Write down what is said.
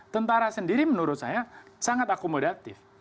tentara sendiri menurut saya sangat akomodatif